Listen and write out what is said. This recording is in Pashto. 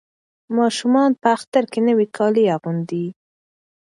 ماشومان په اختر کې نوي کالي اغوندي.